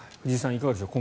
いかがでしょう